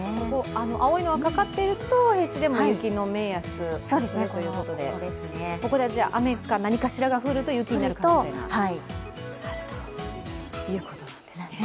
青いのがかかっていると平地でも雪の目安ということで、ここで雨か何かしらが降ると雪になるかもということなんですね。